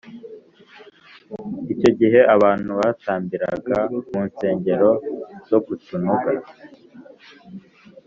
Icyo gihe abantu batambiraga mu nsengero zo ku tununga